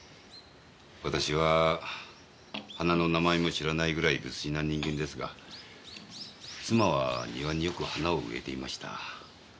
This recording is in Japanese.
私は花の名前も知らないぐらい無粋な人間ですが妻は庭によく花を植えていました。